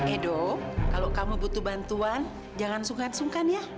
edo kalau kamu butuh bantuan jangan sungkan sungkan ya